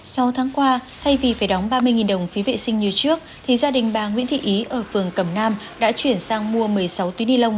sau tháng qua thay vì phải đóng ba mươi đồng phí vệ sinh như trước thì gia đình bà nguyễn thị ý ở phường cẩm nam đã chuyển sang mua một mươi sáu túi ni lông